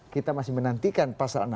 kita masih menantikan pasal enam